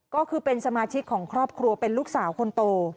ก็คือเป็นสมาชิกของครอบครัวเป็นลูกสาวคนโต